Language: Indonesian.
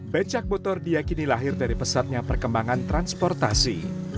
becak motor diakini lahir dari pesatnya perkembangan transportasi